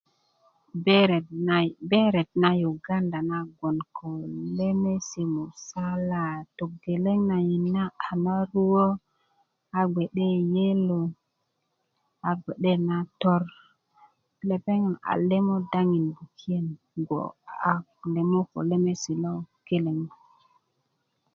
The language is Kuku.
beret na beret na uganda na bgoŋ ko lemesi musala togeleŋ nayit na a naruö a bge'de yellow a bge'de nator lepeŋ a lemo daŋin bukiyen bgo lemo ko lemesi logeleŋ